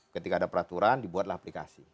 ketika ada peraturan dibuatlah aplikasi